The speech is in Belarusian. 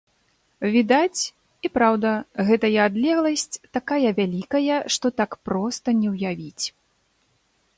Відаць, і праўда, гэтая адлегласць такая вялікая, што так проста не ўявіць.